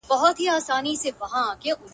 گراني شاعري ستا په خوږ ږغ كي.